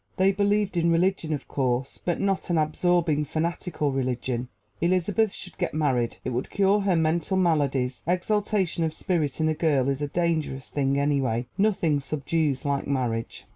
They believed in religion, of course but not an absorbing, fanatical religion! Elizabeth should get married it would cure her mental maladies: exaltation of spirit in a girl is a dangerous thing anyway. Nothing subdues like marriage.